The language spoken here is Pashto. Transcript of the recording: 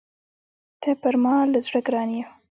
ته پر ما له زړه ګران يې!